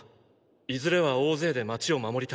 いずれは大勢で街を守りたいと。